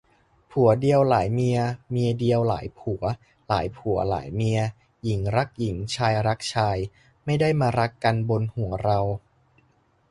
ผัวเดียวหลายเมีย เมียเดียวหลายผัว หลายผัวหลายเมีย หญิงรักหญิง ชายรักชาย ไม่ได้มารักกันบนหัวเรา